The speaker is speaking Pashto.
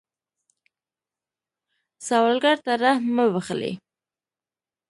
سوالګر ته رحم مه بخلئ